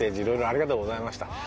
色々ありがとうございました。